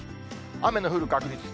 雨の降る確率。